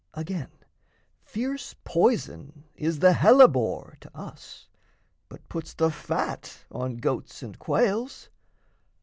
Again, fierce poison is the hellebore To us, but puts the fat on goats and quails.